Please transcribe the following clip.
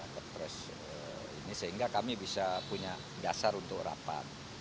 kepres ini sehingga kami bisa punya dasar untuk rapat